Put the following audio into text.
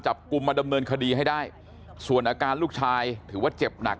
จับกลุ่มมาดำเนินคดีให้ได้ส่วนอาการลูกชายถือว่าเจ็บหนัก